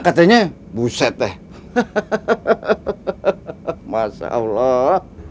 katanya buset deh hahaha masya allah